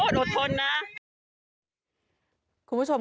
สวัสดีคุณผู้ชายสวัสดีคุณผู้ชาย